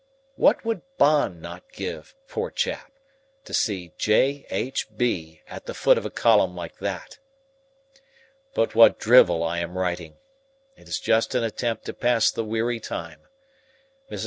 What would Bond not give, poor chap, to see "J. H. B." at the foot of a column like that? But what drivel I am writing! It is just an attempt to pass the weary time. Mrs.